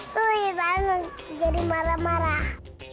wih baru jadi marah marah